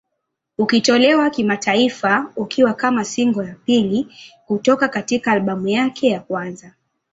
Ulitolewa kimataifa ukiwa kama single ya pili kutoka katika albamu yake ya kwanza.